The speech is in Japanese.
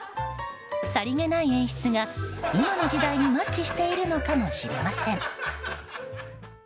さりげない演出が、今の時代にマッチしているのかもしれません。